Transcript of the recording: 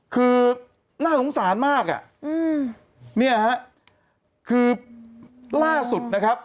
คือน่าสงสารมากอ่ะอืมเนี่ยฮะคือล่าสุดนะครับ